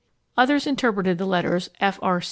Others interpreted the letters F.R.